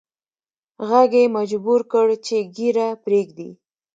ږغ یې مجبور کړ چې ږیره پریږدي